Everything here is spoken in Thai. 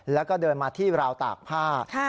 แล้วก็เดินมาที่ราวตากผ้า